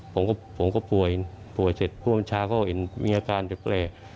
ผมก็ผมก็ป่วยป่วยเสร็จผู้บัญชาก็เห็นมีอาการแบบแรก